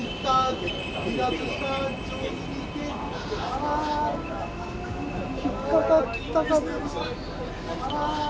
あ引っ掛かったか。